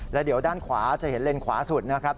แล้วเดี๋ยวด้านขวาจะเห็นเลนขวาสุดนะครับ